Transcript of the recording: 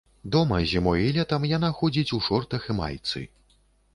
Дома зімой і летам яна ходзіць у шортах і майцы.